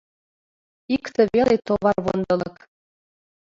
Икте веле товарвондылык.